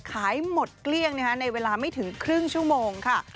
ขายหมดเกลี้ยงในเวลาไม่ถึงครึ่งชั่วโมงค่ะ